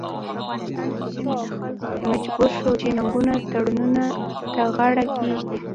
مجبور شو چې ننګینو تړونونو ته غاړه کېږدي.